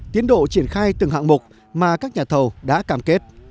tiến độ triển khai từng hạng mục mà các nhà thầu đã cam kết